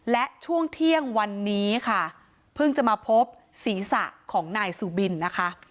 และช่วงเที่ยงวันนี้ค่ะเพิ่งจะมาพบศีรษะของนายสุบินนะคะ